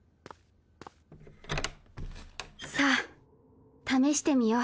さあ試してみよう。